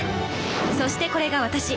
そしてこれが私。